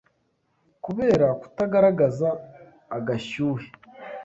Kubera kutagaragaza agashyuhe